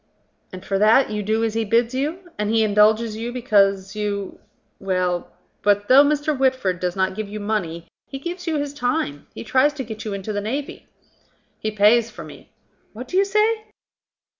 "And for that you do as he bids you? And he indulges you because you ... Well, but though Mr. Whitford does not give you money, he gives you his time, he tries to get you into the navy." "He pays for me." "What do you say?"